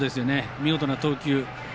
見事な投球。